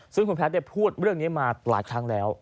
ซึ่งคุณแพทย์พูดเรื่องนี้มาหลายครั้งแล้ว